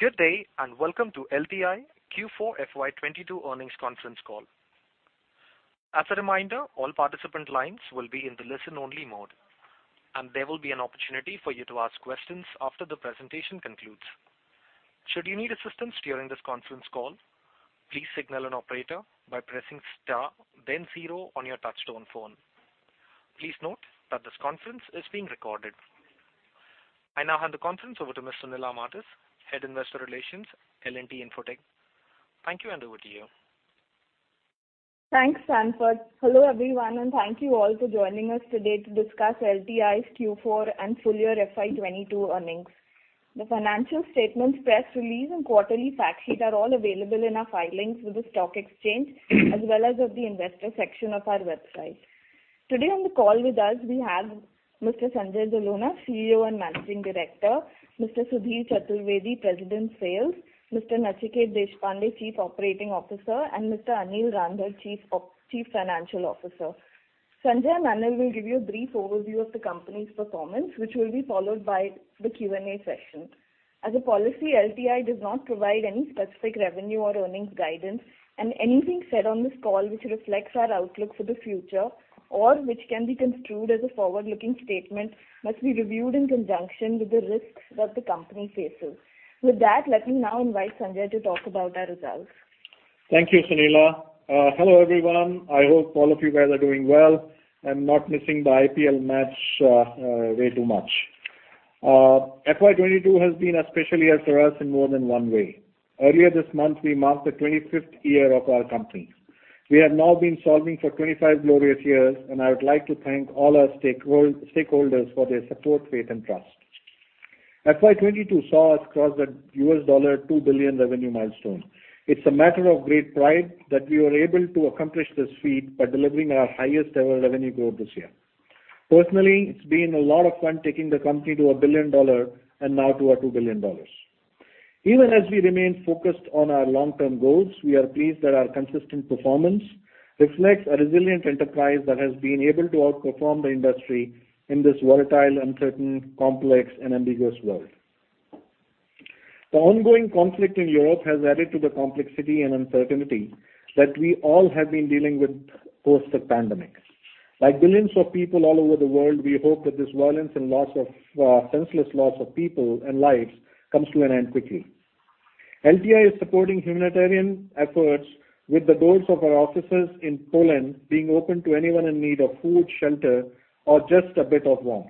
Good day, and welcome to LTI Q4 FY 2022 earnings conference call. As a reminder, all participant lines will be in the listen only mode, and there will be an opportunity for you to ask questions after the presentation concludes. Should you need assistance during this conference call, please signal an operator by pressing star then zero on your touchtone phone. Please note that this conference is being recorded. I now hand the conference over to Ms. Sunila Martis, Head Investor Relations, L&T Infotech. Thank you, and over to you. Thanks, Sanford. Hello, everyone, and thank you all for joining us today to discuss LTI's Q4 and full year FY 2022 earnings. The financial statement, press release, and quarterly fact sheets are all available in our filings with the stock exchange as well as at the investor section of our website. Today on the call with us we have Mr. Sanjay Jalona, CEO and Managing Director, Mr. Sudhir Chaturvedi, President Sales, Mr. Nachiket Deshpande, Chief Operating Officer, and Mr. Anil Rander, Chief Financial Officer. Sanjay and Anil will give you a brief overview of the company's performance, which will be followed by the Q&A session. As a policy, LTI does not provide any specific revenue or earnings guidance, and anything said on this call which reflects our outlook for the future or which can be construed as a forward-looking statement must be reviewed in conjunction with the risks that the company faces. With that, let me now invite Sanjay to talk about our results. Thank you, Sunila. Hello, everyone. I hope all of you guys are doing well and not missing the IPL match way too much. FY 2022 has been a special year for us in more than one way. Earlier this month, we marked the 25th year of our company. We have now been solving for 25 glorious years, and I would like to thank all our stakeholders for their support, faith, and trust. FY 2022 saw us cross the $2 billion revenue milestone. It's a matter of great pride that we were able to accomplish this feat by delivering our highest ever revenue growth this year. Personally, it's been a lot of fun taking the company to a $1 billion and now to a $2 billion. Even as we remain focused on our long-term goals, we are pleased that our consistent performance reflects a resilient enterprise that has been able to outperform the industry in this volatile, uncertain, complex, and ambiguous world. The ongoing conflict in Europe has added to the complexity and uncertainty that we all have been dealing with post the pandemic. Like billions of people all over the world, we hope that this violence and senseless loss of people and lives comes to an end quickly. LTI is supporting humanitarian efforts with the doors of our offices in Poland being open to anyone in need of food, shelter or just a bit of warmth.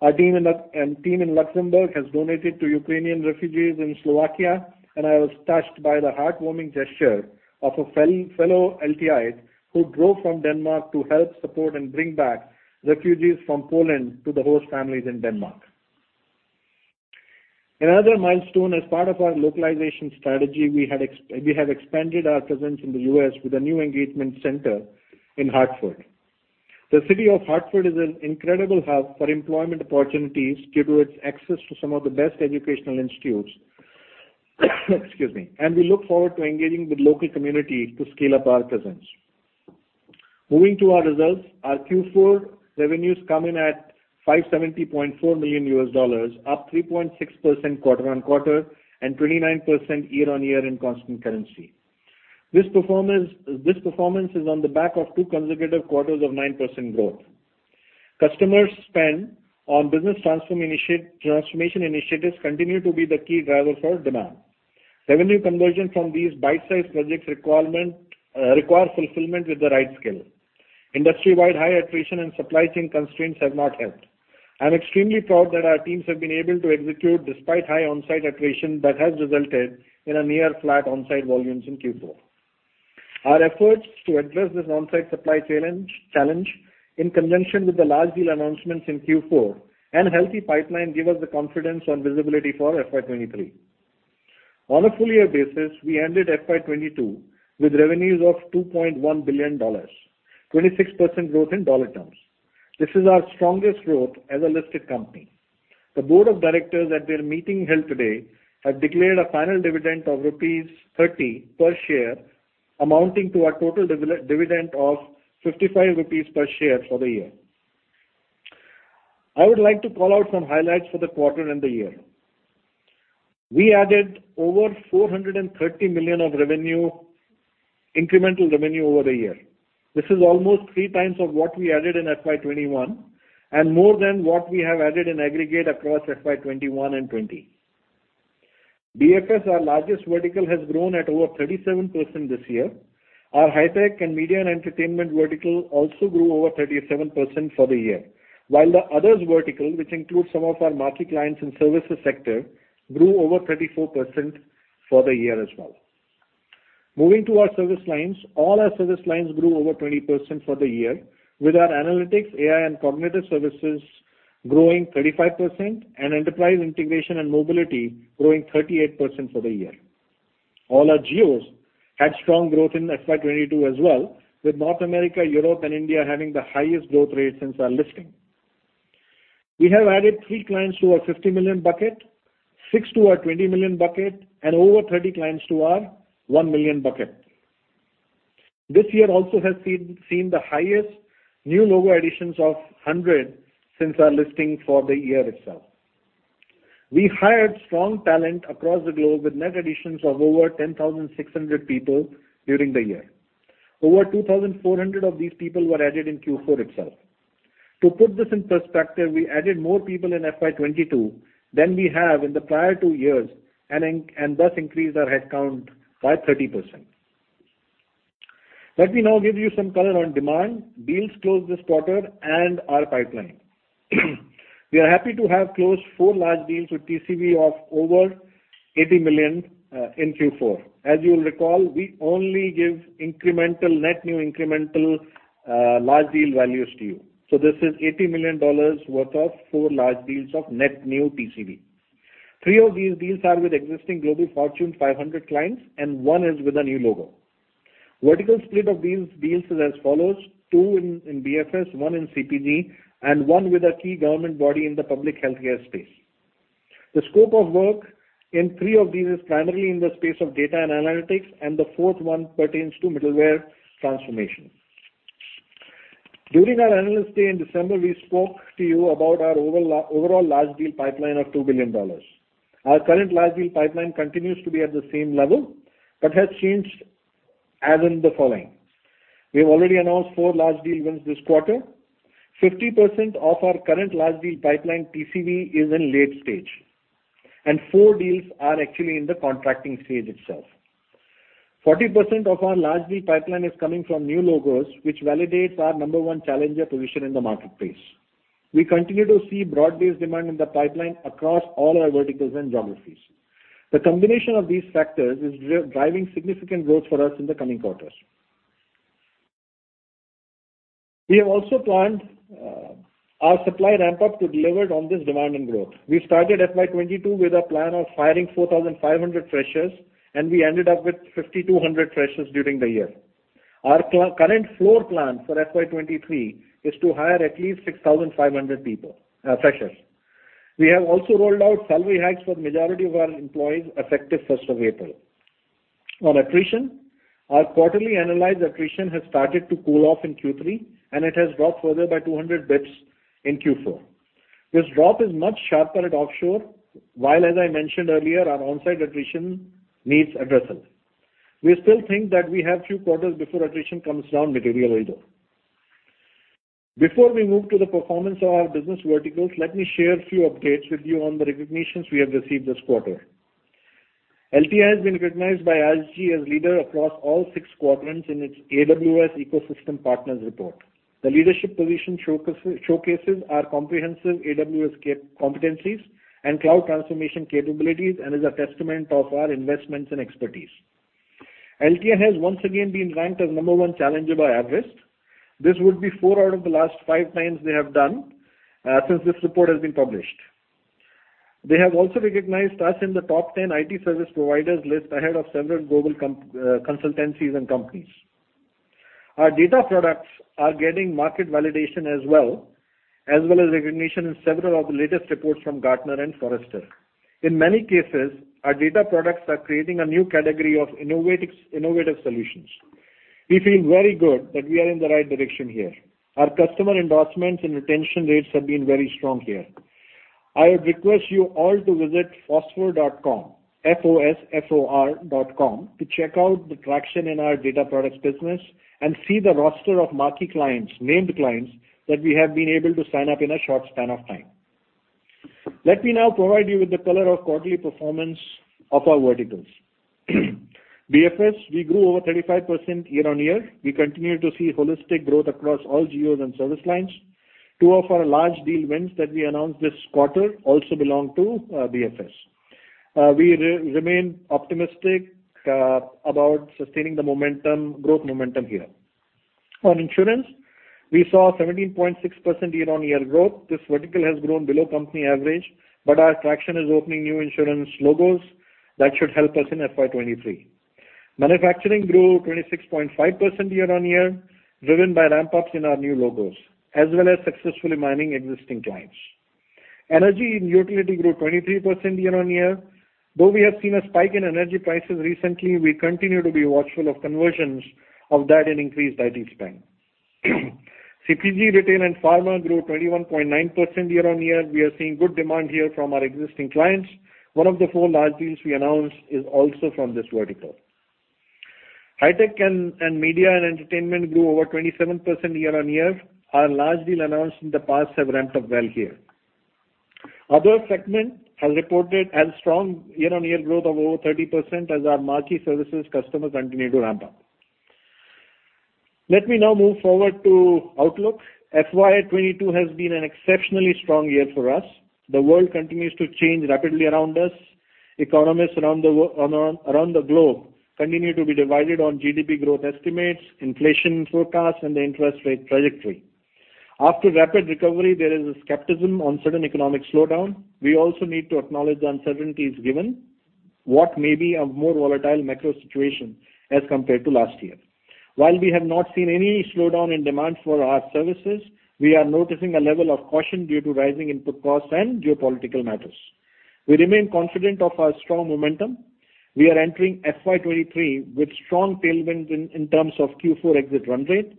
Our team in Luxembourg has donated to Ukrainian refugees in Slovakia, and I was touched by the heartwarming gesture of a fellow LTIte who drove from Denmark to help support and bring back refugees from Poland to the host families in Denmark. Another milestone, as part of our localization strategy we have expanded our presence in the U.S. with a new engagement center in Hartford. The city of Hartford is an incredible hub for employment opportunities due to its access to some of the best educational institutes, excuse me, and we look forward to engaging with local community to scale up our presence. Moving to our results. Our Q4 revenues come in at $570.4 million, up 3.6% quarter-on-quarter and 29% year-on-year in constant currency. This performance is on the back of two consecutive quarters of 9% growth. Customer spend on business transformation initiatives continue to be the key driver for demand. Revenue conversion from these bite-sized projects requirement require fulfillment with the right skill. Industry-wide high attrition and supply chain constraints have not helped. I'm extremely proud that our teams have been able to execute despite high on-site attrition that has resulted in a near flat on-site volumes in Q4. Our efforts to address this on-site supply challenge in conjunction with the large deal announcements in Q4 and healthy pipeline give us the confidence on visibility for FY 2023. On a full year basis, we ended FY 2022 with revenues of $2.1 billion, 26% growth in dollar terms. This is our strongest growth as a listed company. The board of directors at their meeting held today have declared a final dividend of rupees 30 per share, amounting to a total dividend of 55 rupees per share for the year. I would like to call out some highlights for the quarter and the year. We added over 430 million of incremental revenue over the year. This is almost three times of what we added in FY 2021 and more than what we have added in aggregate across FY 2021 and 2020. BFS, our largest vertical, has grown at over 37% this year. Our high tech and media and entertainment vertical also grew over 37% for the year. While the others vertical, which includes some of our marquee clients in services sector, grew over 34% for the year as well. Moving to our service lines. All our service lines grew over 20% for the year. With our analytics, AI, and cognitive services growing 35% and enterprise integration and mobility growing 38% for the year. All our geos had strong growth in FY 2022 as well, with North America, Europe, and India having the highest growth rate since our listing. We have added three clients to our $50 million bucket, 6 to our $20 million bucket, and over 30 clients to our $1 million bucket. This year also has seen the highest new logo additions of 100 since our listing for the year itself. We hired strong talent across the globe with net additions of over 10,600 people during the year. Over 2,400 of these people were added in Q4 itself. To put this in perspective, we added more people in FY 2022 than we have in the prior two years and thus increased our headcount by 30%. Let me now give you some color on demand, deals closed this quarter, and our pipeline. We are happy to have closed four large deals with TCV of over $80 million in Q4. As you'll recall, we only give net new incremental large deal values to you. This is $80 million worth of four large deals of net new TCV. Three of these deals are with existing Fortune Global 500 clients, and one is with a new logo. Vertical split of these deals is as follows, two in BFS, one in CPG, and one with a key government body in the public healthcare space. The scope of work in three of these is primarily in the space of data and analytics, and the fourth one pertains to middleware transformation. During our Analyst Day in December, we spoke to you about our overall large deal pipeline of $2 billion. Our current large deal pipeline continues to be at the same level, but has changed as in the following. We have already announced four large deal wins this quarter. 50% of our current large deal pipeline TCV is in late stage, and four deals are actually in the contracting stage itself. 40% of our large deal pipeline is coming from new logos, which validates our number one challenger position in the marketplace. We continue to see broad-based demand in the pipeline across all our verticals and geographies. The combination of these factors is driving significant growth for us in the coming quarters. We have also planned our supply ramp-up to deliver on this demand and growth. We started FY 2022 with a plan of hiring 4,500 freshers, and we ended up with 5,200 freshers during the year. Our current floor plan for FY 2023 is to hire at least 6,500 people, freshers. We have also rolled out salary hikes for the majority of our employees effective first of April. On attrition, our quarterly annualized attrition has started to cool off in Q3, and it has dropped further by 200 basis points in Q4. This drop is much sharper at offshore, while, as I mentioned earlier, our on-site attrition needs addressing. We still think that we have few quarters before attrition comes down materially, though. Before we move to the performance of our business verticals, let me share a few updates with you on the recognitions we have received this quarter. LTI has been recognized by ALGI as leader across all six quadrants in its AWS Ecosystem Partners report. The leadership position showcases our comprehensive AWS competencies and cloud transformation capabilities and is a testament of our investments and expertise. LTI has once again been ranked as number one challenger by Everest. This would be four out of the last five times they have done since this report has been published. They have also recognized us in the top 10 IT service providers list ahead of several global consultancies and companies. Our data products are getting market validation as well as recognition in several of the latest reports from Gartner and Forrester. In many cases, our data products are creating a new category of innovatics, innovative solutions. We feel very good that we are in the right direction here. Our customer endorsements and retention rates have been very strong here. I would request you all to visit fosfor.com, F-O-S-F-O-R dot com, to check out the traction in our data products business and see the roster of marquee clients, named clients, that we have been able to sign up in a short span of time. Let me now provide you with the color of quarterly performance of our verticals. BFS, we grew over 35% year-on-year. We continue to see holistic growth across all geos and service lines. Two of our large deal wins that we announced this quarter also belong to BFS. We remain optimistic about sustaining the momentum, growth momentum here. On insurance, we saw 17.6% year-on-year growth. This vertical has grown below company average, but our traction is opening new insurance logos that should help us in FY 2023. Manufacturing grew 26.5% year-on-year, driven by ramp-ups in our new logos, as well as successfully mining existing clients. Energy and utility grew 23% year-on-year. Though we have seen a spike in energy prices recently, we continue to be watchful of conversions of that and increased IT spend. CPG, retail, and pharma grew 21.9% year-on-year. We are seeing good demand here from our existing clients. One of the four large deals we announced is also from this vertical. High tech and media and entertainment grew over 27% year-on-year. Our large deal announced in the past have ramped up well here. Other segment has reported a strong year-on-year growth of over 30% as our marquee services customers continue to ramp up. Let me now move forward to outlook. FY 2022 has been an exceptionally strong year for us. The world continues to change rapidly around us. Economists around the globe continue to be divided on GDP growth estimates, inflation forecasts, and the interest rate trajectory. After rapid recovery, there is a skepticism on certain economic slowdown. We also need to acknowledge the uncertainties given what may be a more volatile macro situation as compared to last year. While we have not seen any slowdown in demand for our services, we are noticing a level of caution due to rising input costs and geopolitical matters. We remain confident of our strong momentum. We are entering FY 2023 with strong tailwinds in terms of Q4 exit run rate,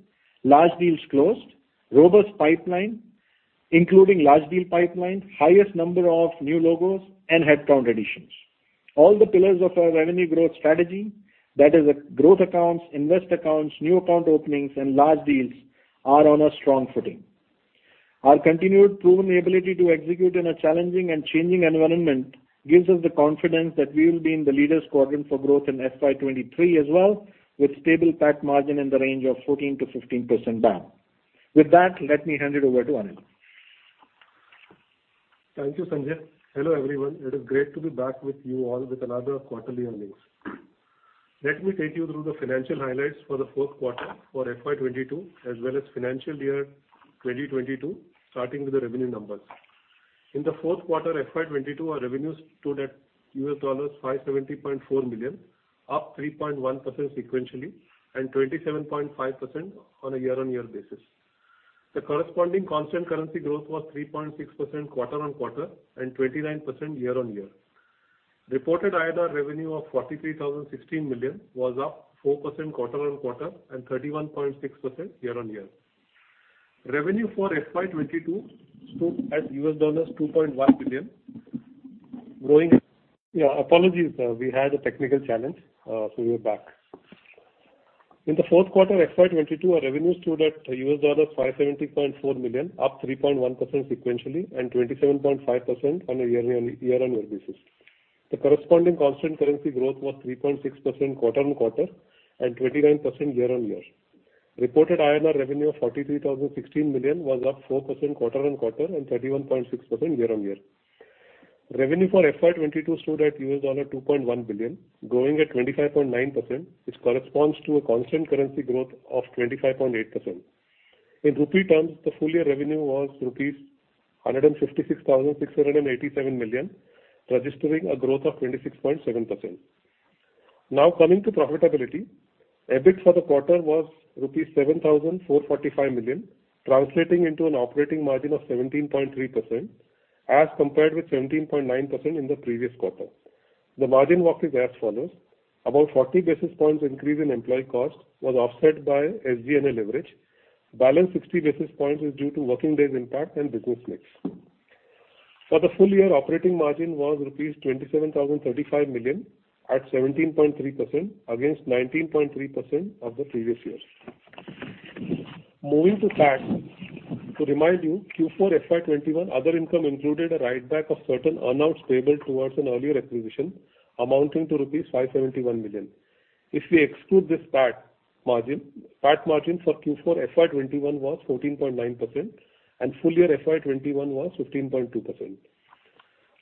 large deals closed, robust pipeline, including large deal pipeline, highest number of new logos and headcount additions. All the pillars of our revenue growth strategy, that is growth accounts, invest accounts, new account openings and large deals are on a strong footing. Our continued proven ability to execute in a challenging and changing environment gives us the confidence that we will be in the leader's quadrant for growth in FY 2023 as well, with stable PAT margin in the range of 14%-15% down. With that, let me hand it over to Anil. Thank you, Sanjay. Hello, everyone. It is great to be back with you all with another quarterly earnings. Let me take you through the financial highlights for the fourth quarter for FY 2022 as well as financial year 2022, starting with the revenue numbers. In the fourth quarter FY 2022, our revenues stood at $570.4 million, up 3.1% sequentially and 27.5% on a year-on-year basis. The corresponding constant currency growth was 3.6% quarter-on-quarter and 29% year-on-year. Reported INR revenue of 43,016 million was up 4% quarter-on-quarter and 31.6% year-on-year. Revenue for FY 2022 stood at $2.1 billion, growing. Yeah, apologies. We had a technical challenge, so we are back. In the fourth quarter FY 2022, our revenue stood at $570.4 million, up 3.1% sequentially and 27.5% on a year-on-year basis. The corresponding constant currency growth was 3.6% quarter-on-quarter and 29% year-on-year. Reported INR revenue of 43,016 million was up 4% quarter-on-quarter and 31.6% year-on-year. Revenue for FY 2022 stood at $2.1 billion, growing at 25.9%, which corresponds to a constant currency growth of 25.8%. In rupee terms, the full year revenue was rupees 156,687 million, registering a growth of 26.7%. Now, coming to profitability. EBIT for the quarter was rupees 7,445 million, translating into an operating margin of 17.3% as compared with 17.9% in the previous quarter. The margin walk is as follows. About 40 basis points increase in employee cost was offset by SG&A leverage. Balance 60 basis points is due to working days impact and business mix. For the full year, operating margin was rupees 27,035 million at 17.3% against 19.3% of the previous year. Moving to PAT. To remind you, Q4 FY 2021 other income included a write back of certain unclaimed payables towards an earlier acquisition amounting to rupees 571 million. If we exclude this PAT margin, PAT margin for Q4 FY 2021 was 14.9% and full year FY 2021 was 15.2%.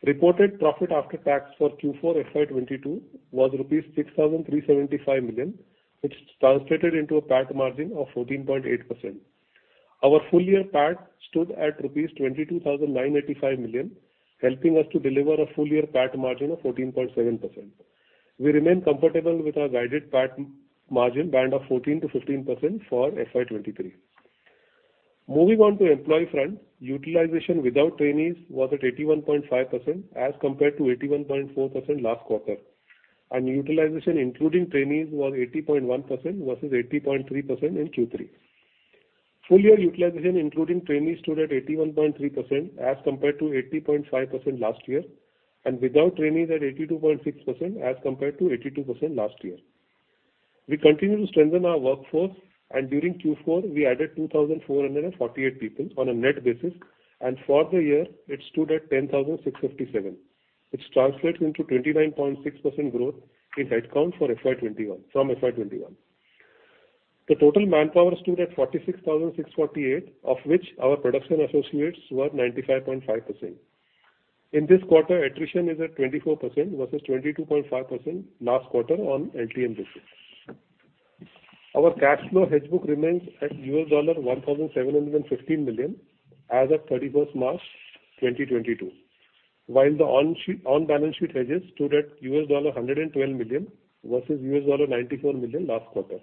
Reported profit after tax for Q4 FY 2022 was rupees 6,375 million, which translated into a PAT margin of 14.8%. Our full year PAT stood at INR 22,985 million, helping us to deliver a full year PAT margin of 14.7%. We remain comfortable with our guided PAT margin band of 14%-15% for FY 2023. Moving on to the employee front. Utilization without trainees was at 81.5% as compared to 81.4% last quarter. Utilization including trainees was 80.1% versus 80.3% in Q3. Full year utilization including trainees stood at 81.3% as compared to 80.5% last year, and without trainees at 82.6% as compared to 82% last year. We continue to strengthen our workforce and during Q4, we added 2,448 people on a net basis, and for the year it stood at 10,657, which translates into 29.6% growth in headcount for FY 2021 from FY 2021. The total manpower stood at 46,648, of which our production associates were 95.5%. In this quarter, attrition is at 24% versus 22.5% last quarter on LTM basis. Our cash flow hedge book remains at $1,715 million as of 31 March 2022. While the on-balance sheet hedges stood at $112 million versus $94 million last quarter.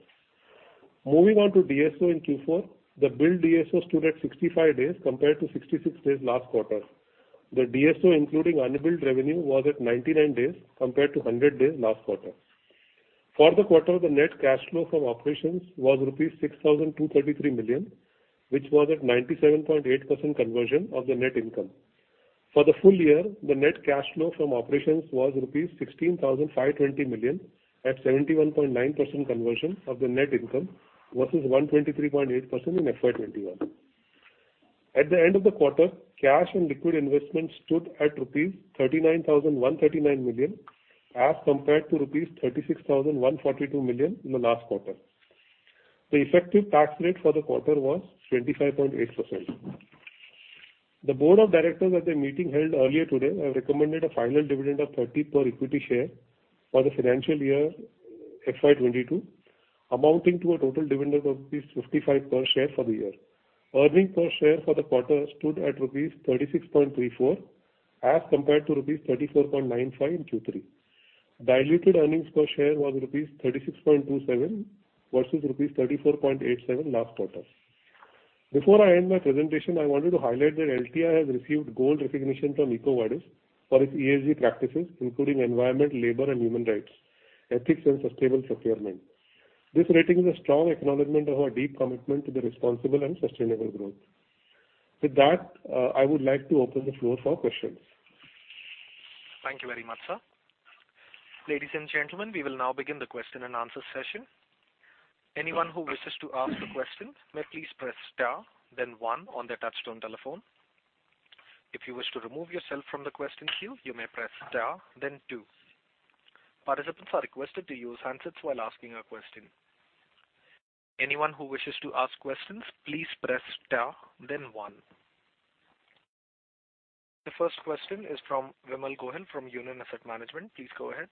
Moving on to DSO in Q4. The bill DSO stood at 65 days compared to 66 days last quarter. The DSO including unbilled revenue was at 99 days compared to 100 days last quarter. For the quarter, the net cash flow from operations was rupees 6,233 million, which was at 97.8% conversion of the net income. For the full year, the net cash flow from operations was rupees 16,520 million at 71.9% conversion of the net income versus 123.8% in FY 2021. At the end of the quarter, cash and liquid investments stood at rupees 39,139 million as compared to rupees 36,142 million in the last quarter. The effective tax rate for the quarter was 25.8%. The board of directors at their meeting held earlier today have recommended a final dividend of 30 per equity share for the Financial Year FY 2022, amounting to a total dividend of rupees 55 per share for the year. Earnings per share for the quarter stood at rupees 36.34 as compared to rupees 34.95 in Q3. Diluted earnings per share was rupees 36.27 versus rupees 34.87 last quarter. Before I end my presentation, I wanted to highlight that LTI has received gold recognition from EcoVadis for its ESG practices, including environment, labor and human rights, ethics and sustainable procurement. This rating is a strong acknowledgement of our deep commitment to the responsible and sustainable growth. With that, I would like to open the floor for questions. Thank you very much, sir. Ladies and gentlemen, we will now begin the question-and-answer session. Anyone who wishes to ask a question may please press star then one on their touch-tone telephone. If you wish to remove yourself from the question queue, you may press star then two. Participants are requested to use handsets while asking a question. Anyone who wishes to ask questions, please press star then one. The first question is from Vimal Gohain from Union Asset Management. Please go ahead.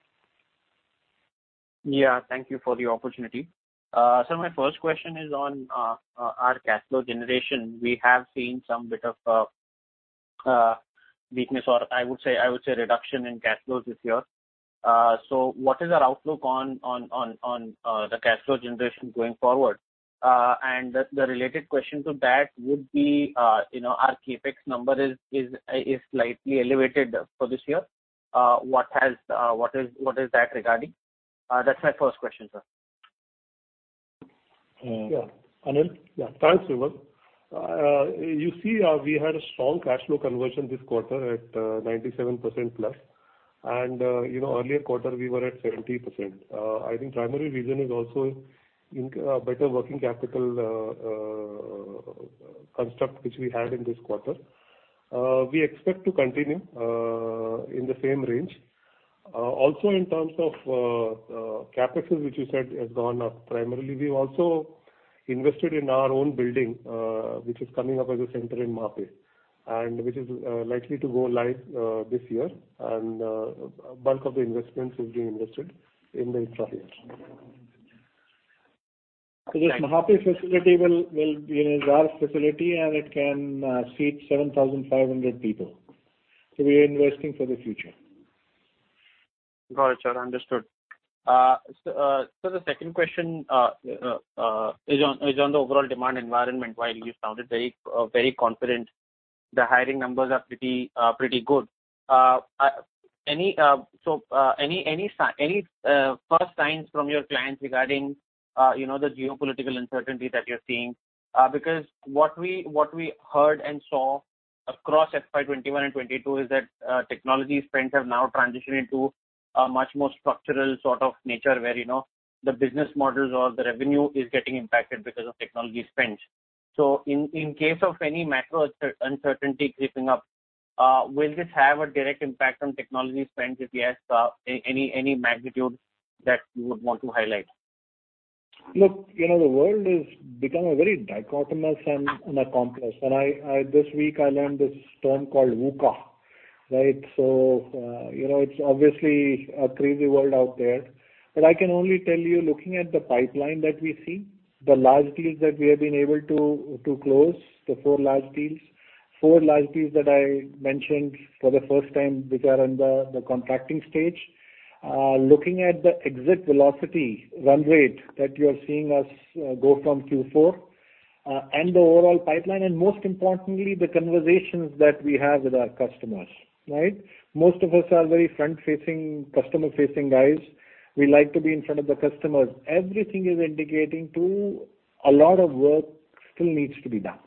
Yeah, thank you for the opportunity. My first question is on our cash flow generation. We have seen some bit of weakness or I would say reduction in cash flows this year. What is our outlook on the cash flow generation going forward? The related question to that would be, you know, our CapEx number is slightly elevated for this year. What is that regarding? That's my first question, sir. Yeah. Anil? Yeah. Thanks, Vimal. You see, we had a strong cash flow conversion this quarter at 97%+. You know, earlier quarter we were at 70%. I think primary reason is also better working capital construct which we had in this quarter. We expect to continue in the same range. Also in terms of capital, which you said has gone up, primarily we've also invested in our own building, which is coming up as a center in Mahape, and which is likely to go live this year. Bulk of the investments will be invested in the intra-year. This Mahape facility will be a large facility and it can seat 7,500 people. We are investing for the future. Got it, sir. Understood. The second question is on the overall demand environment. While you sounded very confident, the hiring numbers are pretty good. Any first signs from your clients regarding, you know, the geopolitical uncertainty that you're seeing? Because what we heard and saw across FY 2021 and 2022 is that technology spends have now transitioned into a much more structural sort of nature where, you know, the business models or the revenue is getting impacted because of technology spends. In case of any macro uncertainty creeping up, will this have a direct impact on technology spends? If yes, any magnitude that you would want to highlight? Look, you know, the world is becoming very dichotomous and complex. This week I learned this term called VUCA. Right? You know, it's obviously a crazy world out there. I can only tell you, looking at the pipeline that we see, the large deals that we have been able to close, the four large deals that I mentioned for the first time which are under the contracting stage. Looking at the exit velocity run rate that you are seeing us go from Q4 and the overall pipeline, and most importantly, the conversations that we have with our customers, right? Most of us are very front-facing, customer-facing guys. We like to be in front of the customers. Everything is indicating that a lot of work still needs to be done.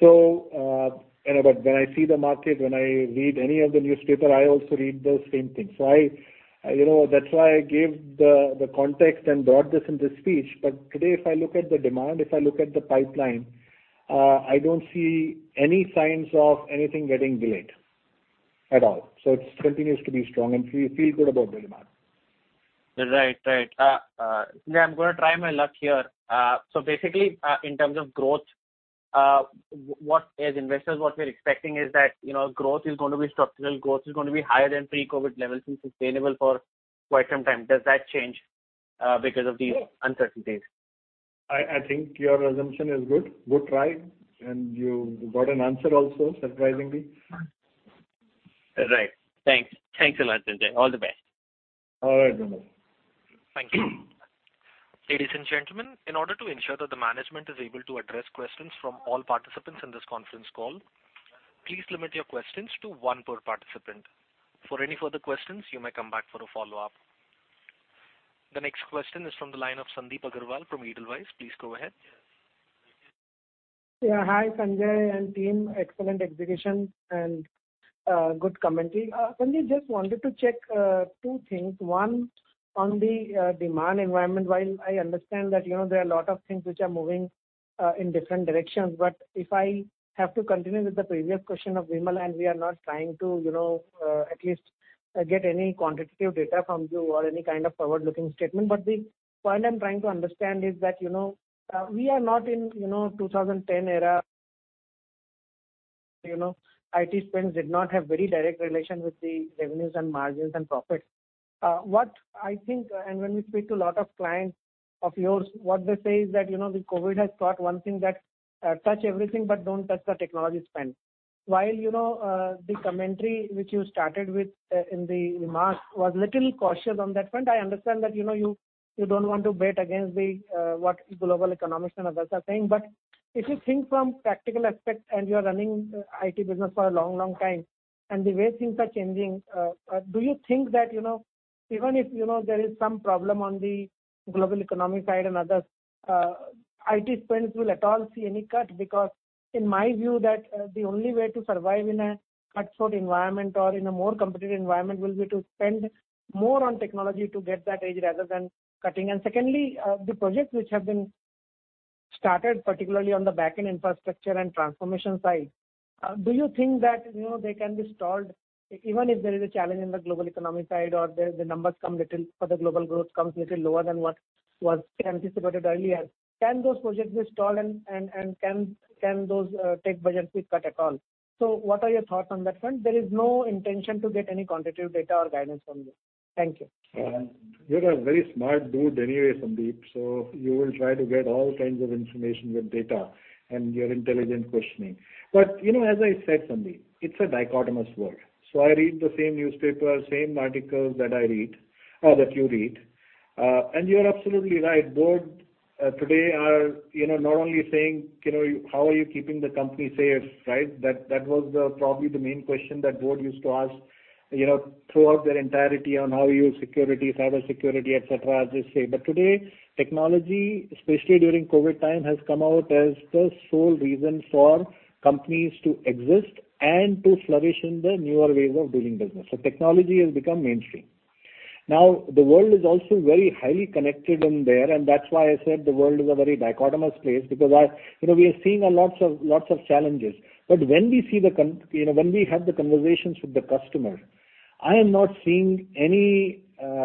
You know, but when I see the market, when I read any of the newspaper, I also read those same things. I, you know, that's why I gave the context and brought this into speech. Today, if I look at the demand, if I look at the pipeline, I don't see any signs of anything getting delayed at all. It continues to be strong, and we feel good about the demand. Right. Yeah, I'm gonna try my luck here. Basically, in terms of growth, what, as investors, we're expecting is that, you know, growth is gonna be structural, growth is gonna be higher than pre-COVID levels and sustainable for quite some time. Does that change because of these uncertainties? I think your assumption is good. Good try. You got an answer also, surprisingly. Right. Thanks. Thanks a lot, Sanjay. All the best. All right, Vimal. Thank you. Ladies and gentlemen, in order to ensure that the management is able to address questions from all participants in this conference call, please limit your questions to one per participant. For any further questions, you may come back for a follow-up. The next question is from the line of Sandip Agarwal from Edelweiss. Please go ahead. Yeah. Hi, Sanjay and team. Excellent execution and good commentary. Sanjay, just wanted to check two things. One, on the demand environment, while I understand that you know there are a lot of things which are moving in different directions. If I have to continue with the previous question of Vimal, and we are not trying to you know at least get any quantitative data from you or any kind of forward-looking statement. The point I'm trying to understand is that you know we are not in you know 2010 era, you know IT spends did not have very direct relation with the revenues and margins and profits. What I think, and when we speak to a lot of clients of yours, what they say is that, you know, the COVID has taught one thing that, touch everything, but don't touch the technology spend. While, you know, the commentary which you started with, in the remarks was little cautious on that front. I understand that, you know, you don't want to bet against the, what global economics and others are saying. If you think from practical aspect, and you are running IT business for a long, long time, and the way things are changing, do you think that, you know, even if, you know, there is some problem on the global economic side and others, IT spends will at all see any cut? Because in my view, that the only way to survive in a cutthroat environment or in a more competitive environment will be to spend more on technology to get that edge rather than cutting. Secondly, the projects which have been started, particularly on the back-end infrastructure and transformation side, do you think that, you know, they can be stalled even if there is a challenge in the global economic side or the numbers for the global growth come a little lower than what was anticipated earlier? Can those projects be stalled and can those tech budgets be cut at all? What are your thoughts on that front? There is no intention to get any quantitative data or guidance from you. Thank you. You're a very smart dude anyway, Sandip, so you will try to get all kinds of information with data and your intelligent questioning. You know, as I said, Sandip, it's a dichotomous world. I read the same newspaper, same articles that I read or that you read. You're absolutely right. Boards today are, you know, not only saying, you know, how are you keeping the company safe, right? That was probably the main question that boards used to ask, you know, throughout their tenure on how you secure cybersecurity, et cetera, as they say. Today, technology, especially during COVID time, has come out as the sole reason for companies to exist and to flourish in the newer ways of doing business. Technology has become mainstream. Now, the world is also very highly connected in there, and that's why I said the world is a very dichotomous place because, you know, we are seeing a lot of challenges. When we see, you know, when we have the conversations with the customers, I am not seeing any,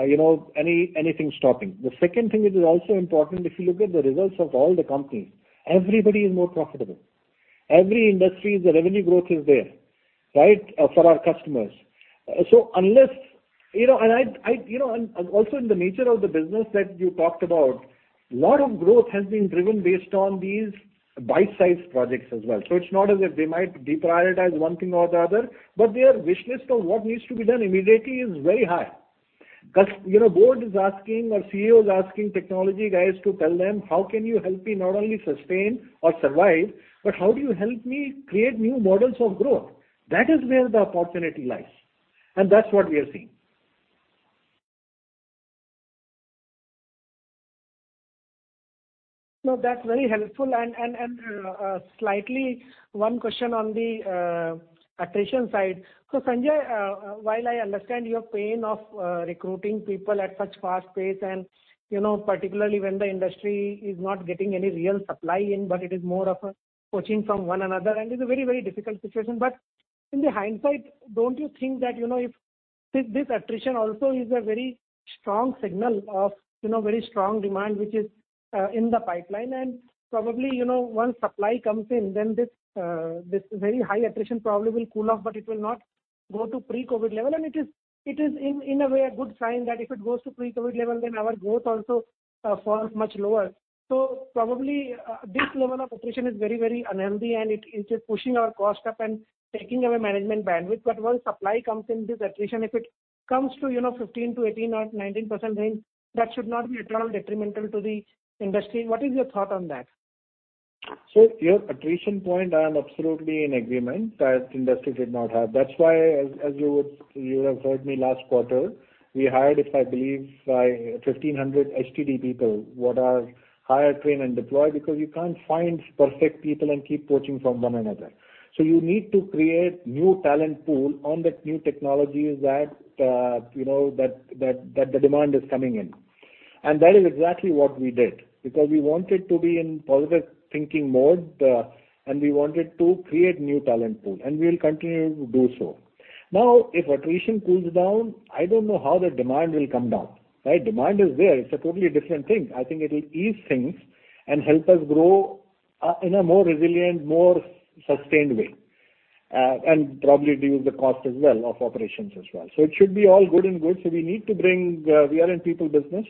you know, anything stopping. The second thing which is also important, if you look at the results of all the companies, everybody is more profitable. Every industry, the revenue growth is there, right, for our customers. You know, and also in the nature of the business that you talked about, a lot of growth has been driven based on these bite-sized projects as well. It's not as if they might deprioritize one thing or the other, but their wish list of what needs to be done immediately is very high. 'Cause, you know, board is asking or CEO is asking technology guys to tell them, "How can you help me not only sustain or survive, but how do you help me create new models of growth?" That is where the opportunity lies, and that's what we are seeing. No, that's very helpful. Just one question on the attrition side. Sanjay, while I understand your pain of recruiting people at such fast pace and, you know, particularly when the industry is not getting any real supply in, but it is more of a poaching from one another, and it's a very, very difficult situation. In the hindsight, don't you think that, you know, if this attrition also is a very strong signal of, you know, very strong demand which is in the pipeline? Probably, you know, once supply comes in, then this very high attrition probably will cool off, but it will not go to pre-COVID level. It is in a way a good sign that if it goes to pre-COVID level, then our growth also falls much lower. Probably, this level of attrition is very, very unhealthy and it is pushing our cost up and taking away management bandwidth. But once supply comes in, this attrition, if it comes to, you know, 15%-18% or 19% range, that should not be at all detrimental to the industry. What is your thought on that? Your attrition point, I am absolutely in agreement that industry did not have. That's why you have heard me last quarter, we hired, if I believe, 1,500 HTD people what are Hire, Train and Deploy, because you can't find perfect people and keep poaching from one another. You need to create new talent pool on the new technologies that the demand is coming in. That is exactly what we did, because we wanted to be in positive thinking mode, and we wanted to create new talent pool, and we'll continue to do so. Now, if attrition cools down, I don't know how the demand will come down, right? Demand is there. It's a totally different thing. I think it'll ease things and help us grow in a more resilient, more sustained way and probably reduce the cost as well of operations as well. It should be all good and good. We need to bring. We are in people business.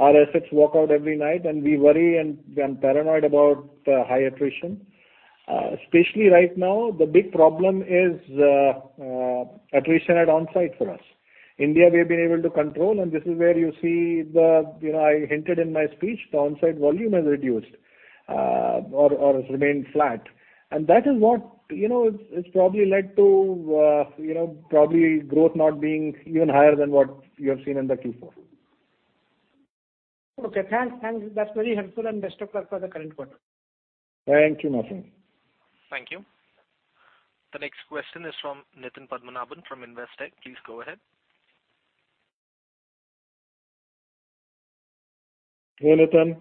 Our assets walk out every night, and we worry and I'm paranoid about high attrition. Especially right now, the big problem is attrition at onsite for us. India, we've been able to control, and this is where you see the. You know, I hinted in my speech, the onsite volume has reduced or has remained flat. That is what, you know, it's probably led to, you know, probably growth not being even higher than what you have seen in the Q4. Okay, thanks. That's very helpful and best of luck for the current quarter. Thank you, Sandip. Thank you. The next question is from Nitin Padmanabhan from Investec. Please go ahead. Hey, Nitin.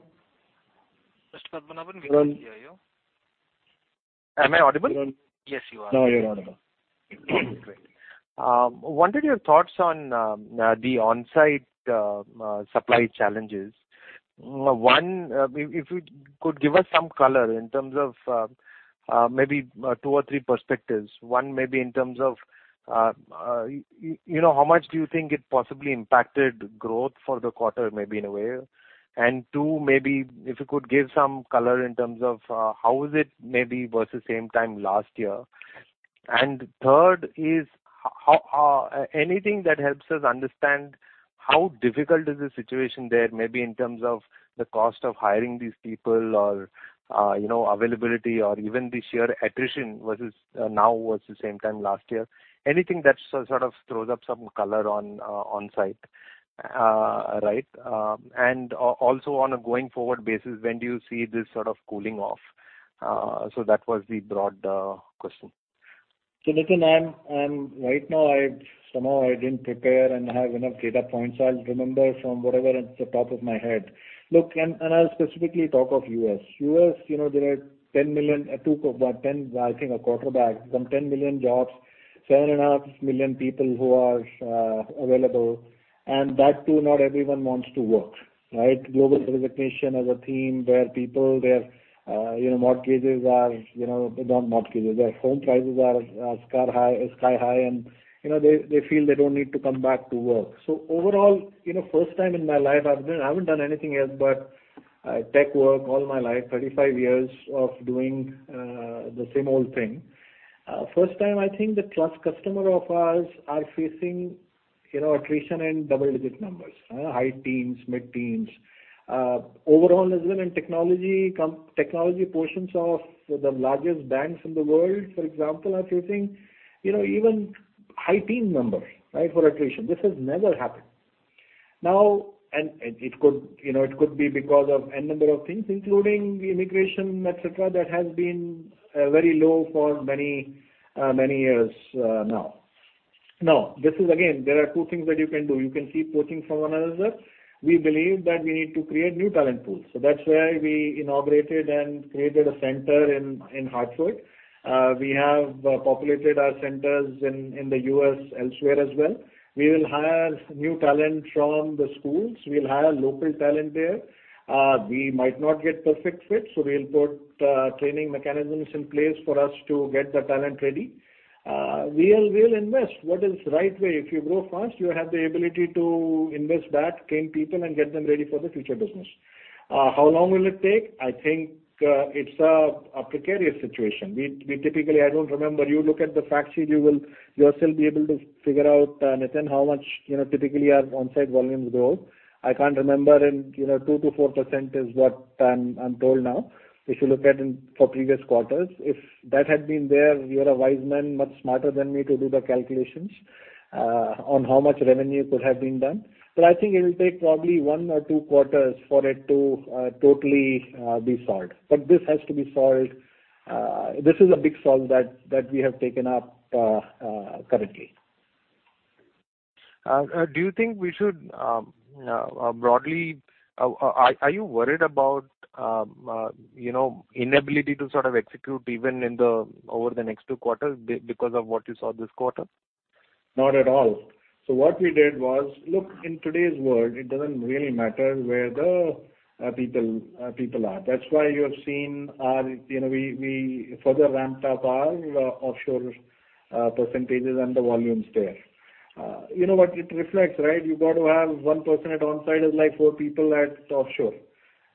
Mr. Padmanabhan, we can't hear you. Hello? Am I audible? No, you're audible. Great. Wanted your thoughts on the onsite supply challenges. If you could give us some color in terms of maybe two or three perspectives. One maybe in terms of you know how much do you think it possibly impacted growth for the quarter, maybe, in a way? Two, maybe if you could give some color in terms of how is it maybe versus same time last year? Third is how anything that helps us understand how difficult is the situation there, maybe in terms of the cost of hiring these people or, you know, availability or even the sheer attrition versus now versus same time last year. Anything that sort of throws up some color on on-site. Right? Also on a going forward basis, when do you see this sort of cooling off? That was the broad question. Listen, I'm right now I didn't prepare and don't have enough data points. I'll remember from whatever at the top of my head. Look, I'll specifically talk of U.S. U.S., you know, there are 10 million, I think back a quarter, some 10 million jobs, 7.5 million people who are available, and that too not everyone wants to work, right? Global resignation as a theme where people, their, you know, mortgages are, you know, not mortgages, their home prices are sky high and, you know, they feel they don't need to come back to work. Overall, you know, first time in my life I've been. I haven't done anything else but tech work all my life, 35 years of doing the same old thing. First time I think our trusted customers are facing, you know, attrition in double-digit numbers, high teens, mid-teens. Overall as well in technology portions of the largest banks in the world, for example, are facing, you know, even high-teen numbers, right, for attrition. This has never happened. Now, it could, you know, it could be because of n number of things, including immigration, et cetera, that has been very low for many years now. This is again, there are two things that you can do. You can keep poaching from one another. We believe that we need to create new talent pools. That's why we inaugurated and created a center in Hartford. We have populated our centers in the U.S. elsewhere as well. We will hire new talent from the schools. We'll hire local talent there. We might not get perfect fit, so we'll put training mechanisms in place for us to get the talent ready. We'll invest what is right way. If you grow fast, you have the ability to invest back, train people, and get them ready for the future business. How long will it take? I think it's a precarious situation. We typically. I don't remember. You look at the fact sheet, you will yourself be able to figure out, Nitin, how much, you know, typically our on-site volumes grow. I can't remember in, you know, 2%-4% is what I'm told now. If you look at for previous quarters, if that had been there, you're a wise man, much smarter than me to do the calculations on how much revenue could have been done. I think it'll take probably one or two quarters for it to totally be solved. This has to be solved. This is a big solve that we have taken up currently. Broadly, are you worried about, you know, inability to sort of execute even over the next two quarters because of what you saw this quarter? Not at all. What we did was. Look, in today's world, it doesn't really matter where the people are. That's why you have seen our, you know, we further ramped up our offshore percentages and the volumes there. You know what it reflects, right? You've got to have one person at on-site is like four people at offshore.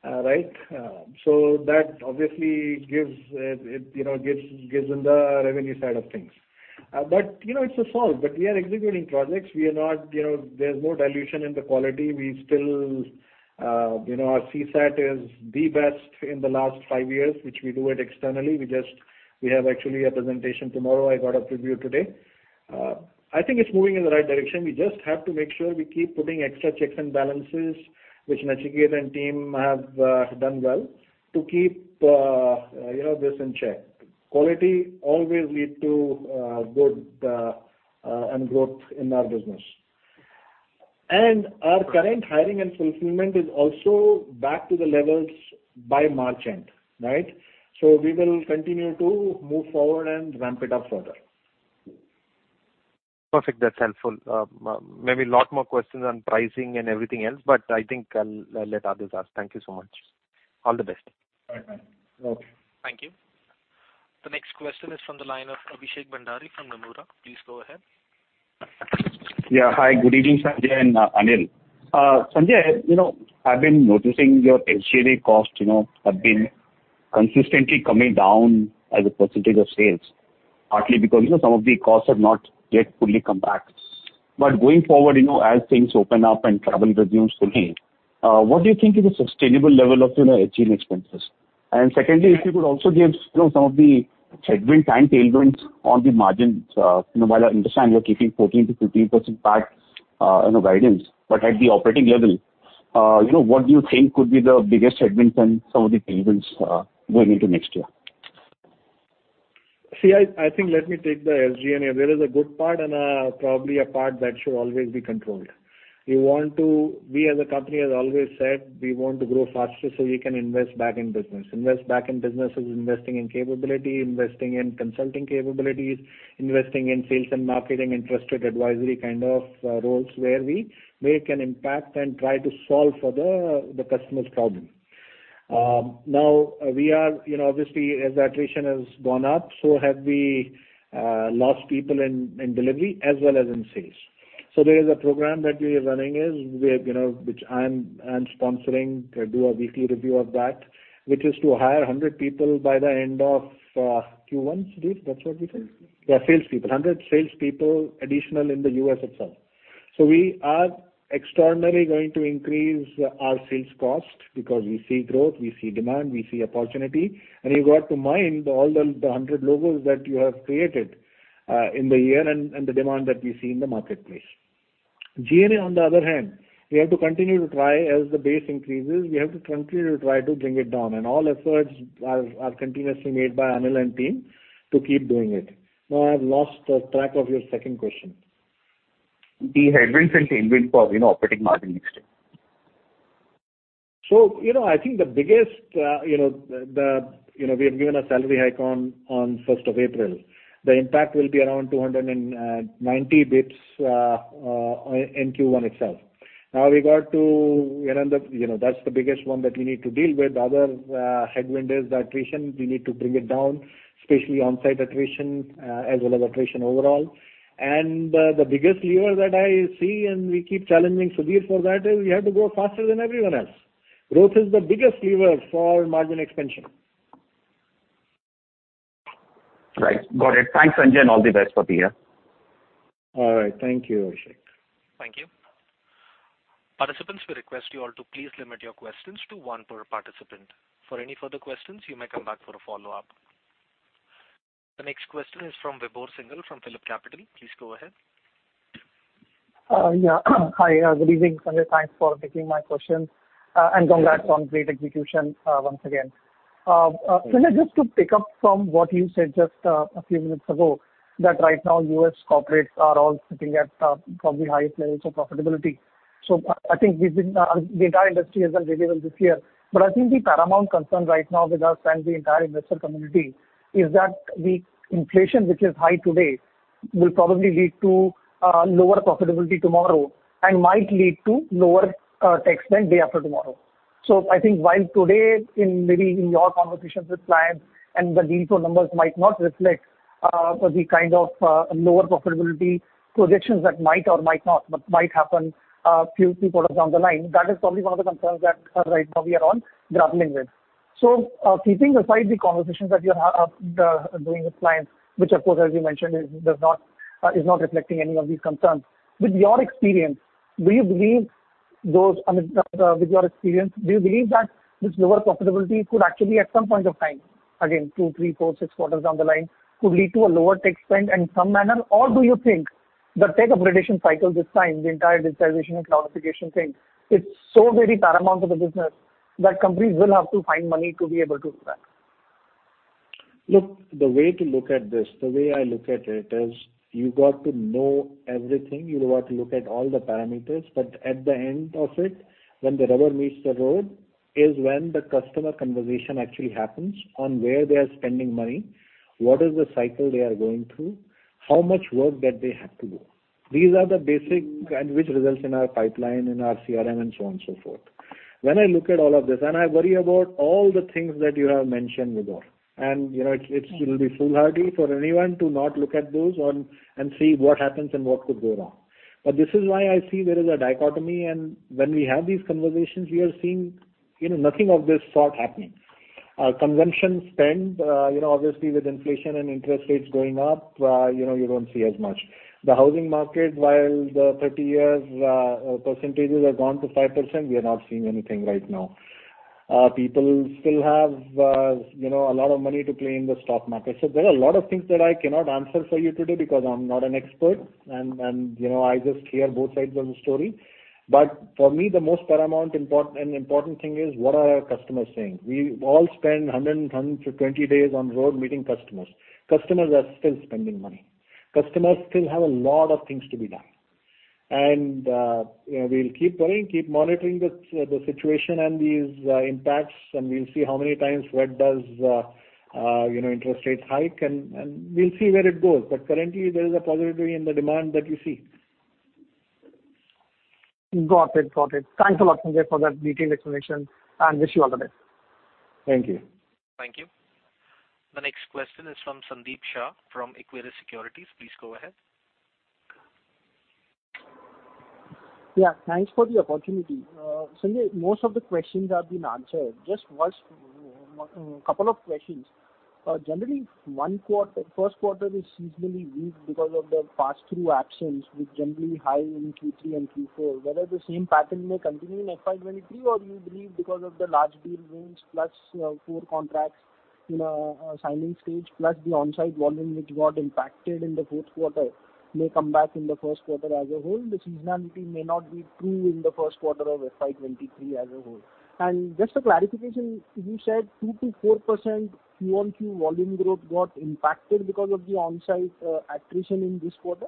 Right? That obviously gives it, you know, gives in the revenue side of things. But you know, it's a solve, but we are executing projects. We are not, you know, there's no dilution in the quality. We still, you know, our CSAT is the best in the last five years, which we do it externally. We just have actually a presentation tomorrow. I got a preview today. I think it's moving in the right direction. We just have to make sure we keep putting extra checks and balances, which Nachiket and team have done well to keep you know this in check. Quality always lead to good and growth in our business. Our current hiring and fulfillment is also back to the levels by March end, right? We will continue to move forward and ramp it up further. Perfect. That's helpful. Maybe a lot more questions on pricing and everything else, but I think I'll let others ask. Thank you so much. All the best. All right. Okay. Thank you. The next question is from the line of Abhishek Bhandari from Nomura. Please go ahead. Yeah. Hi. Good evening, Sanjay and Anil. Sanjay, you know, I've been noticing your SG&A cost, you know, have been consistently coming down as a percentage of sales, partly because, you know, some of the costs have not yet fully come back. Going forward, you know, as things open up and travel resumes fully, what do you think is a sustainable level of, you know, SG&A expenses? And secondly, if you could also give, you know, some of the headwinds and tailwinds on the margins. You know, while I understand you're keeping 14%-15% back, you know, guidance, but at the operating level, you know, what do you think could be the biggest headwinds and some of the tailwinds, going into next year? See, I think let me take the SG&A. There is a good part and, probably a part that should always be controlled. We as a company have always said we want to grow faster so we can invest back in business. Invest back in business is investing in capability, investing in consulting capabilities, investing in sales and marketing, investment advisory kind of roles where we make an impact and try to solve for the customer's problem. Now we are, you know, obviously as the attrition has gone up, so have we lost people in delivery as well as in sales. There is a program that we are running, you know, which I'm sponsoring to do a weekly review of that, which is to hire 100 people by the end of Q1, Sudhir. That's what we said? Yes. Yeah, 100 salespeople additional in the U.S. itself. We are extraordinarily going to increase our sales cost because we see growth, we see demand, we see opportunity. Regarding the 100 logos that you have created in the year and the demand that we see in the marketplace. SG&A on the other hand, we have to continue to try to bring it down as the base increases. All efforts are continuously made by Anil and team to keep doing it. Now, I've lost track of your second question. The headwinds and tailwinds for, you know, operating margin next year. You know, I think the biggest you know we have given a salary hike on first of April. The impact will be around 290 basis points in Q1 itself. Now, regarding you know that's the biggest one that we need to deal with. Other headwind is the attrition. We need to bring it down, especially on-site attrition as well as attrition overall. The biggest lever that I see, and we keep challenging Sudhir for that, is we have to grow faster than everyone else. Growth is the biggest lever for margin expansion. Right. Got it. Thanks, Sanjay, and all the best for the year. All right. Thank you, Abhishek. Thank you. Participants, we request you all to please limit your questions to one per participant. For any further questions, you may come back for a follow-up. The next question is from Vibhor Singhal from PhillipCapital. Please go ahead. Yeah. Hi. Good evening, Sanjay. Thanks for taking my questions. Congrats on great execution once again. Sanjay, just to pick up from what you said just a few minutes ago, that right now U.S. corporates are all sitting at probably high levels of profitability. I think we've been the entire industry has done really well this year. I think the paramount concern right now with us and the entire investor community is that the inflation which is high today will probably lead to lower profitability tomorrow and might lead to lower tech spend day after tomorrow. I think while today in maybe in your conversations with clients and the deal flow numbers might not reflect the kind of lower profitability predictions that might or might not, but might happen few quarters down the line, that is probably one of the concerns that right now we are all grappling with. Keeping aside the conversations that you're doing with clients, which of course as you mentioned is not reflecting any of these concerns. With your experience, do you believe those I mean do you believe that this lower profitability could actually at some point of time, again two, three, four, six quarters down the line, could lead to a lower tech spend in some manner? Do you think the tech upgradation cycle this time, the entire digitization and cloudification thing, it's so very paramount to the business that companies will have to find money to be able to do that? Look, the way to look at this, the way I look at it is you got to know everything. You've got to look at all the parameters. At the end of it, when the rubber meets the road, is when the customer conversation actually happens on where they are spending money, what is the cycle they are going through, how much work that they have to do. These are the basics and which results in our pipeline, in our CRM and so on and so forth. When I look at all of this, and I worry about all the things that you have mentioned, Vibhor. You know, it's, it'll be foolhardy for anyone to not look at those and see what happens and what could go wrong. This is why I see there is a dichotomy. When we have these conversations, we are seeing, you know, nothing of this sort happening. Consumption spend, you know, obviously with inflation and interest rates going up, you know, you don't see as much. The housing market, while the 30-year percentages have gone to 5%, we are not seeing anything right now. People still have, you know, a lot of money to play in the stock market. There are a lot of things that I cannot answer for you today because I'm not an expert and, you know, I just hear both sides of the story. For me, the most paramount and important thing is what are our customers saying? We all spend 100-120 days on road meeting customers. Customers are still spending money. Customers still have a lot of things to be done. you know, we'll keep going, keep monitoring the situation and these impacts, and we'll see how many times Fed does interest rates hike and we'll see where it goes. Currently there is a positivity in the demand that you see. Got it. Thanks a lot, Sanjay, for that detailed explanation, and I wish you all the best. Thank you. Thank you. The next question is from Sandip Shah from Equirus Securities. Please go ahead. Yeah. Thanks for the opportunity. Sanjay, most of the questions have been answered. Just last couple of questions. Generally, the first quarter is seasonally weak because of the pass-through actions which are generally high in Q3 and Q4. Whether the same pattern may continue in FY 2023, or you believe because of the large deal wins plus 4 contracts in signing stage, plus the on-site volume which got impacted in the fourth quarter may come back in the first quarter as a whole, the seasonality may not be true in the first quarter of FY 2023 as a whole. Just a clarification, you said 2%-4% QOQ volume growth got impacted because of the on-site attrition in this quarter?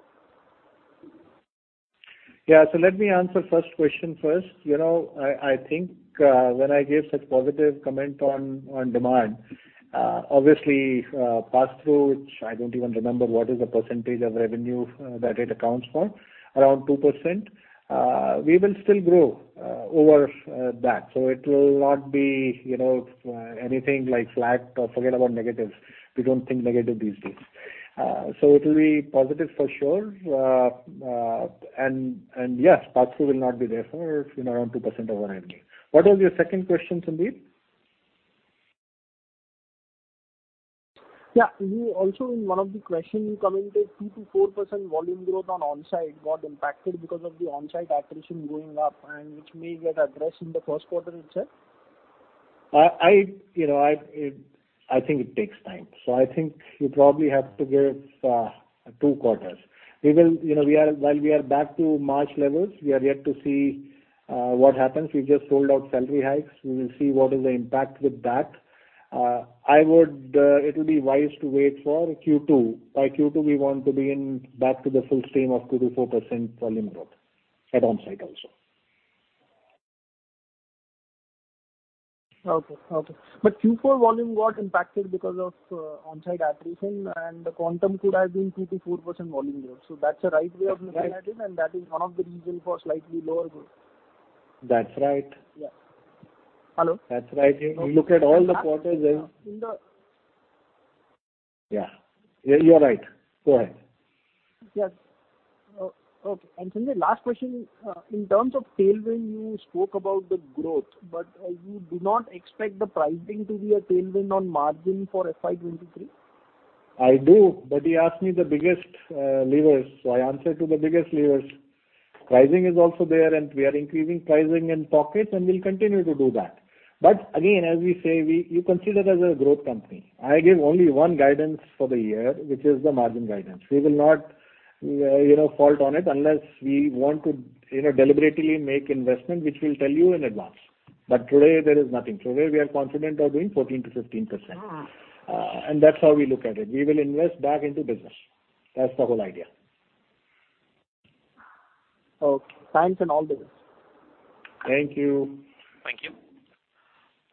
Let me answer first question first. You know, I think, when I gave such positive comment on demand, obviously, pass-through, which I don't even remember what is the percentage of revenue that it accounts for, around 2%. We will still grow over that. It will not be, you know, anything like flat or forget about negatives. We don't think negative these days. It will be positive for sure. And yes, pass-through will not be there for, you know, around 2% of our revenue. What was your second question, Sandip? Yeah. You also, in one of the questions, you commented 2%-4% volume growth on onsite got impacted because of the onsite attrition going up, which may get addressed in the first quarter itself. I think it takes time. I think you probably have to give two quarters. We are back to March levels. We are yet to see what happens. We just rolled out salary hikes. We will see what is the impact with that. I would, it'll be wise to wait for Q2. By Q2, we want to be in back to the full steam of 2%-4% volume growth at onsite also. Okay. Q4 volume got impacted because of onsite attrition, and the quantum could have been 2%-4% volume growth. That's the right way of looking at it. Right. That is one of the reasons for slightly lower growth. That's right. Yeah. Hello? That's right. If you look at all the quarters and In the- Yeah. Yeah, you're right. Go ahead. Yes. Okay. Sanjay, last question. In terms of tailwind, you spoke about the growth, but you do not expect the pricing to be a tailwind on margin for FY 2023? I do, but he asked me the biggest levers. I answered to the biggest levers. Pricing is also there, and we are increasing pricing in pockets, and we'll continue to do that. Again, as we say, you consider us a growth company. I give only one guidance for the year, which is the margin guidance. We will not, you know, default on it unless we want to, you know, deliberately make investment, which we'll tell you in advance. Today there is nothing. Today, we are confident of doing 14%-15%. Ah. That's how we look at it. We will invest back into business. That's the whole idea. Okay. Thanks and all the best. Thank you. Thank you.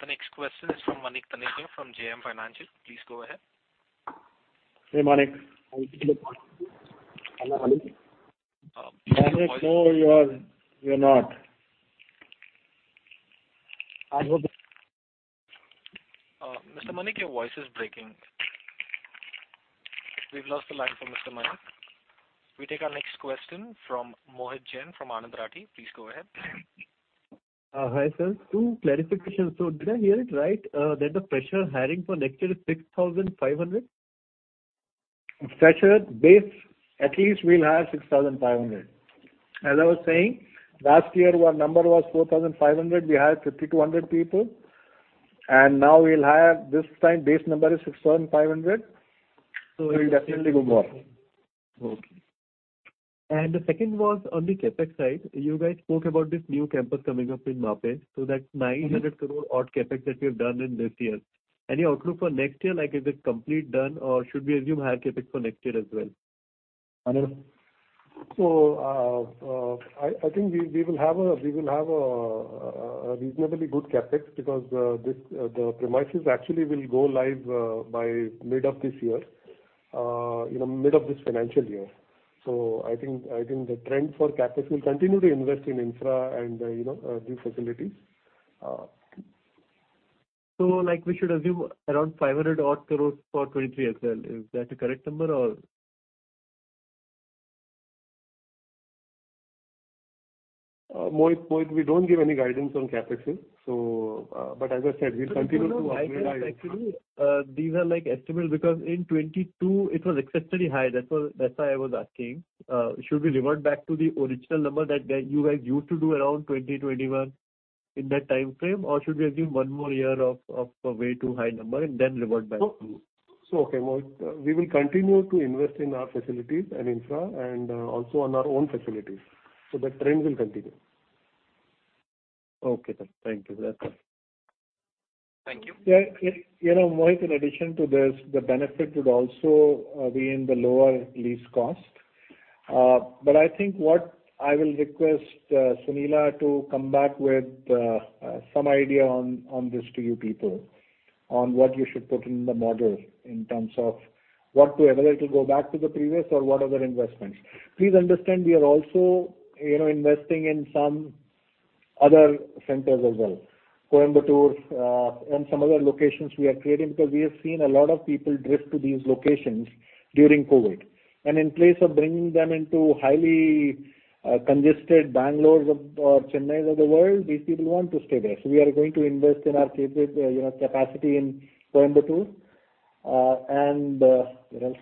The next question is from Manik Taneja from JM Financial. Please go ahead. Hey, Manik. No, you're not. Mr. Manik Taneja, your voice is breaking. We've lost the line for Mr. Manik Taneja. We take our next question from Mohit Jain from Anand Rathi. Please go ahead. Hi, sir. Two clarifications. Did I hear it right, that the fresher hiring for next year is 6,500? Fresher base, at least we'll hire 6,500. As I was saying, last year our number was 4,500. We hired 5,200 people. Now we'll hire this time base number is 6,500. So We'll definitely go more. Okay. The second was on the CapEx side. You guys spoke about this new campus coming up in Mahape. That's 900 crore odd CapEx that you've done in this year. Any outlook for next year, like is it complete done or should we assume higher CapEx for next year as well? Anand. I think we will have a reasonably good CapEx because this the premises actually will go live by mid of this year, you know, mid of this financial year. I think the trend for CapEx. We'll continue to invest in infra and you know new facilities. Like, we should assume around 500-odd crore for 2023 as well. Is that the correct number or? Mohit, we don't give any guidance on CapEx here. As I said, we'll continue to upgrade our infra. No, no. I think actually, these are like estimate because in 2022 it was exceptionally high. That's why I was asking. Should we revert back to the original number that you guys used to do around 2020, 2021, in that timeframe? Or should we assume one more year of a way too high number and then revert back to- Okay, Mohit. We will continue to invest in our facilities and infra and also on our own facilities. That trend will continue. Okay, sir. Thank you. That's all. Thank you. Yeah. You know, Mohit, in addition to this, the benefit would also be in the lower lease cost. But I think what I will request Sunila to come back with some idea on this to you people, on what you should put in the model in terms of what to evaluate to go back to the previous or what other investments. Please understand we are also, you know, investing in some other centers as well. Coimbatore and some other locations we are creating because we have seen a lot of people drift to these locations during COVID. In place of bringing them into highly congested Bangalores or Chennais of the world, these people want to stay there. We are going to invest in our CapEx, you know, capacity in Coimbatore. And what else?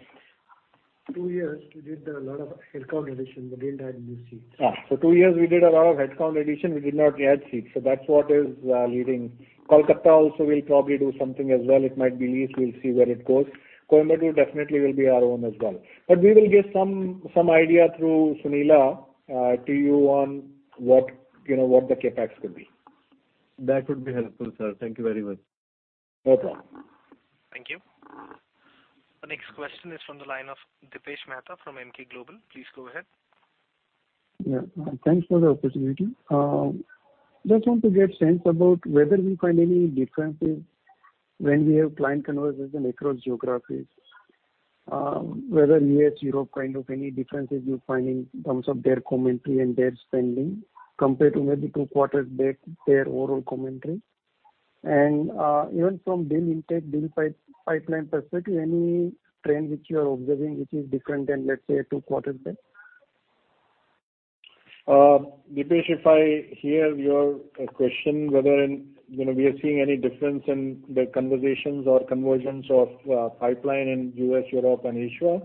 Two years we did a lot of headcount addition but didn't add new seats. Two years we did a lot of headcount addition, we did not add seats. That's what is leading. Kolkata also we'll probably do something as well. It might be leased. We'll see where it goes. Coimbatore definitely will be our own as well. We will give some idea through Sunila to you on what, you know, what the CapEx could be. That would be helpful, sir. Thank you very much. Okay. Thank you. The next question is from the line of Dipesh Mehta from Emkay Global. Please go ahead. Yeah. Thanks for the opportunity. Just want to get sense about whether we find any differences when we have client conversations across geographies, whether U.S., Europe, kind of any differences you find in terms of their commentary and their spending compared to maybe two quarters back, their overall commentary. Even from deal intake, deal pipeline perspective, any trend which you are observing which is different than, let's say, two quarters back? Dipesh, if I hear your question whether, you know, we are seeing any difference in the conversations or conversions of pipeline in U.S., Europe and Asia.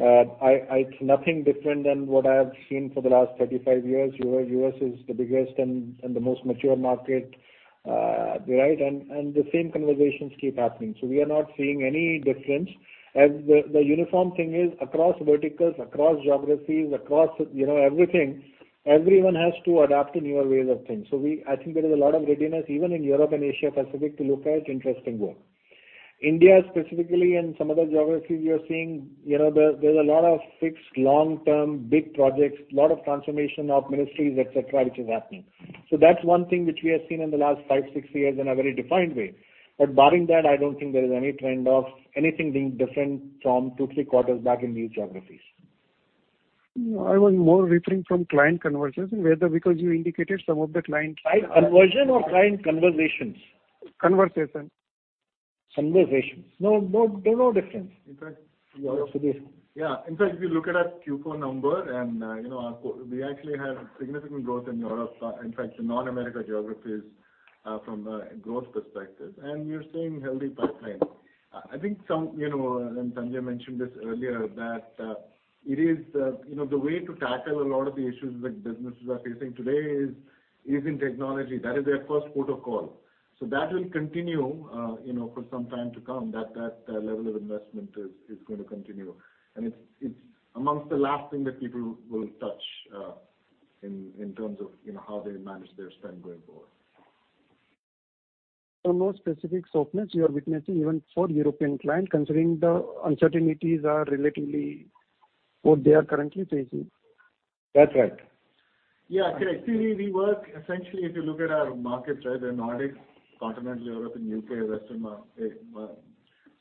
It's nothing different than what I have seen for the last 35 years, where U.S. is the biggest and the most mature market, right? The same conversations keep happening. We are not seeing any difference. The uniform thing is across verticals, across geographies, across, you know, everything, everyone has to adapt to newer ways of things. I think there is a lot of readiness even in Europe and Asia Pacific to look at interesting work. India specifically and some other geographies we are seeing, you know, there's a lot of fixed long-term big projects, lot of transformation of ministries, et cetera, which is happening. That's one thing which we have seen in the last five, six years in a very defined way. Barring that, I don't think there is any trend of anything being different from two, three quarters back in these geographies. No, I was more referring from client conversations, whether because you indicated some of the clients. Client conversion or client conversations? Conversation. Conversations. No, no, there's no difference. In fact. Okay. Yeah. In fact, if you look at our Q4 number and, you know, we actually have significant growth in Europe, in fact, in non-America geographies, from a growth perspective, and we are seeing healthy pipeline. I think, you know, and Sanjay mentioned this earlier, that it is, you know, the way to tackle a lot of the issues that businesses are facing today is in technology. That is their first port of call. That will continue, you know, for some time to come. That level of investment is going to continue. It's amongst the last thing that people will touch in terms of, you know, how they manage their spend going forward. No specific softness you are witnessing even for European client, considering the uncertainties are relatively what they are currently facing? That's right. Yeah. Actually, we work essentially, if you look at our markets, right, they're Nordic, Continental Europe and U.K., Western markets.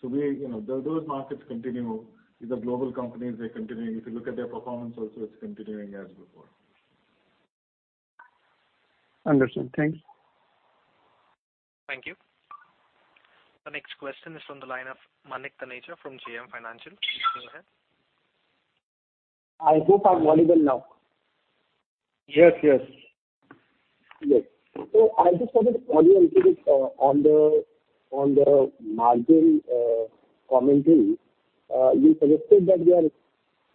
We, you know, those markets continue. These are global companies, they're continuing. If you look at their performance also, it's continuing as before. Understood. Thanks. Thank you. The next question is on the line of Manik Taneja from JM Financial. Go ahead. I hope I'm audible now. Yes, yes. I just wanted to follow up on this on the margin commentary. You suggested that we are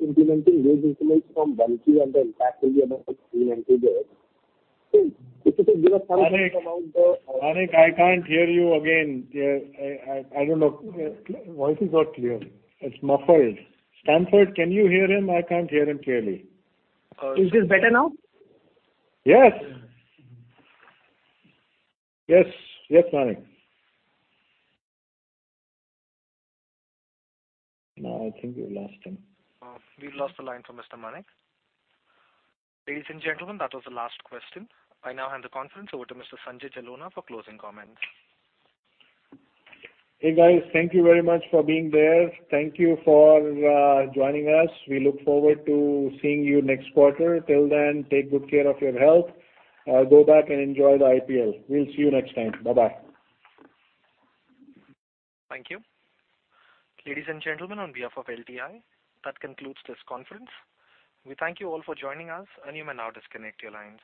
implementing wage increments from Q1 and the impact will be about 3% in 2 years. If you could give us some insight about the- Manik, I can't hear you again. Yeah, I don't know. Voice is not clear. It's muffled. Stanford, can you hear him? I can't hear him clearly. Is this better now? Yes. Yes. Yes, Manik. No, I think we lost him. We've lost the line from Mr. Manik. Ladies and gentlemen, that was the last question. I now hand the conference over to Mr. Sanjay Jalona for closing comments. Hey, guys. Thank you very much for being there. Thank you for joining us. We look forward to seeing you next quarter. Till then, take good care of your health. Go back and enjoy the IPL. We'll see you next time. Bye-bye. Thank you. Ladies and gentlemen, on behalf of LTI, that concludes this conference. We thank you all for joining us, and you may now disconnect your lines.